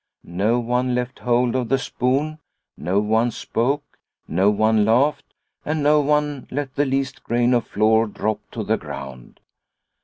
No one left hold of the spoon, no one spoke, no one laughed, and no one let the least grain of flour drop to the ground.